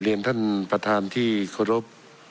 เรียนท่านประธานที่ขอรับ